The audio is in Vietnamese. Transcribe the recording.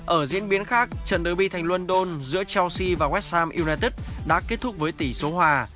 ở diễn biến khác trận derby thành london giữa chelsea và west ham united đã kết thúc với tỷ số hòa